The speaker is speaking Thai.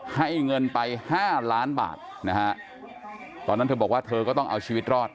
ให้เงินไปห้าล้านบาทนะฮะตอนนั้นเธอบอกว่าเธอก็ต้องเอาชีวิตรอด